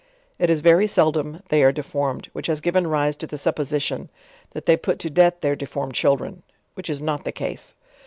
It is very seldom they are deform ed, which has .given rise to the supposition, that they put to death their deformed children, which is not the case.